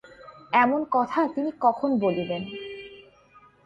এমন কথা তিনি কখন বলিলেন।